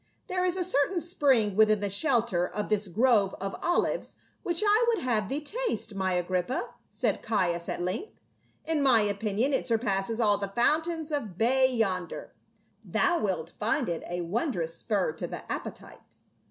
" There is a certain spring within the shelter of this grove of olives, which I would have thee taste, my Agrippa," said Caius at length. " In my opinion it surpasses all the fountains of Baiae yonder ; thou wilt find it a wondrous spur to the appetite."